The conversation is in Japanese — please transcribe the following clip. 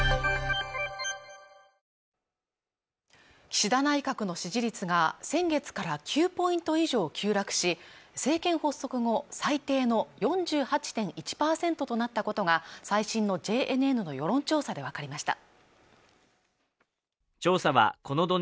岸田内閣の支持率が先月から９ポイント以上急落し政権発足後最低の４８．１％となったことが最新のＪＮＮの世論調査でわかりました